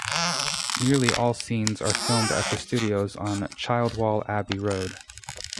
Nearly all scenes are filmed at the studios on Childwall Abbey Road.